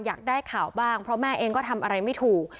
อยากได้ข่าวบ้างเพราะแม่เองก็ทำอะไรไม่ถูก